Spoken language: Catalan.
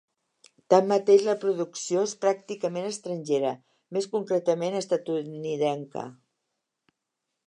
Tanmateix, la producció és pràcticament estrangera, més concretament, estatunidenca.